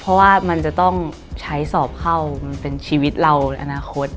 เพราะว่ามันจะต้องใช้สอบเข้ามันเป็นชีวิตเราอนาคต